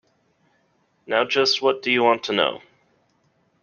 Now just what do you want to know.